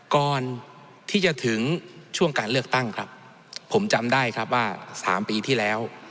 ก่อนที่จะถึงช่วงการเลือกตั้งครับผมจำได้ครับว่า๓ปีที่แล้ว